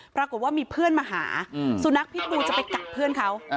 ปรากฏว่ามีเพื่อนมาหาสุนัขพิษบูจะไปกัดเพื่อนเขา